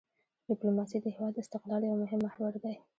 ډیپلوماسي د هېواد د استقلال یو مهم محور دی.